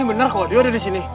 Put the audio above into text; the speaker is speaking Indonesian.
ini benar kok dia ada di sini